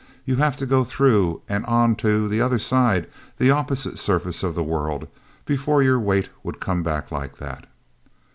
"You'd have to go through and on to the other side, the opposite surface of the world, before your weight would come back like that!"